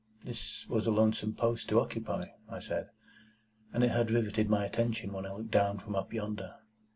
This was a lonesome post to occupy (I said), and it had riveted my attention when I looked down from up yonder.